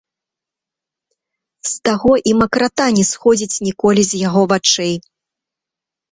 З таго і макрата не сходзіць ніколі з яго вачэй.